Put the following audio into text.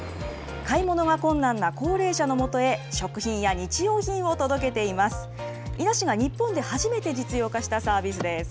買い物が困難な高齢者のもとへ、食品や日用品を届けています。